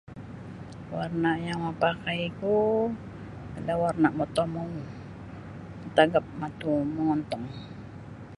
Warna' yang mapakaiku ada' warna' motomou matagap matu mongontong.